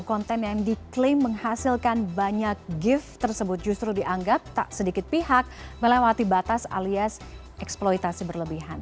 konten yang diklaim menghasilkan banyak gift tersebut justru dianggap tak sedikit pihak melewati batas alias eksploitasi berlebihan